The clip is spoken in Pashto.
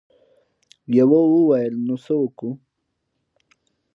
يوه وويل: نو څه وکو؟